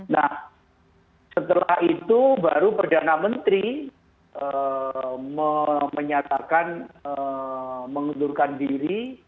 nah setelah itu baru perdana menteri menyatakan mengundurkan diri